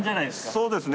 そうですね。